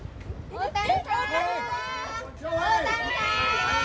大谷さーん。